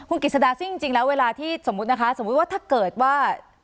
คุณกิจสดาซึ่งจริงแล้วเวลาที่สมมุตินะคะสมมุติว่าถ้าเกิดว่า